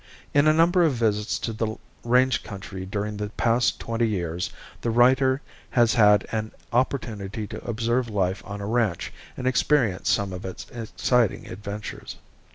In a number of visits to the range country during the past twenty years, the writer has had an opportunity to observe life on a ranch, and experience some of its exciting adventures.